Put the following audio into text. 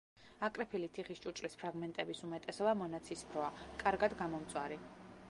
აკრეფილი თიხის ჭურჭლის ფრაგმენტების უმეტესობა მონაცრისფროა, კარგად გამომწვარი.